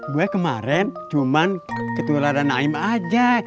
gue kemarin cuma ketua ladang naim aja